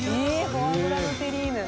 「フォアグラのテリーヌ」